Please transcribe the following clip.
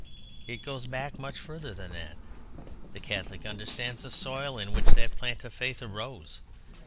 It goes back much further than that. The Catholic understands the soil in which that plant of the Faith arose.